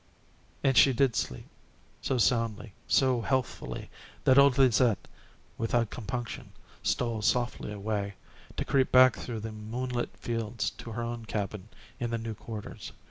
And she did sleep; so soundly, so healthfully, that old Lizette without compunction stole softly away, to creep back through the moonlit fields to her own cabin in the new quarters.